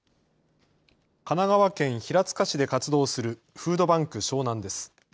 神奈川県平塚市で活動するフードバンク湘南です。